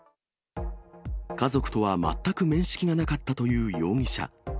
家族とは全く面識がなかったという容疑者。